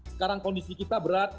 sekarang kondisi kita berat